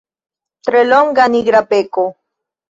Tre longa, nigra beko.